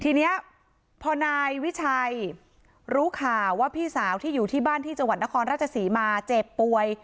ทีนี้พอนายวิชัยรู้ข่าวว่าพี่สาวที่อยู่ที่บ้านที่จังหวัดนครราชศรีมาเจ็บป่วย